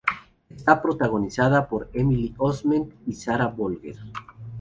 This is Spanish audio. Está protagonizada por Emily Osment y Sarah Bolger.